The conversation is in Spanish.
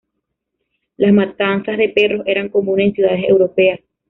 Las matanzas de perros eran comunes en las ciudades europeas.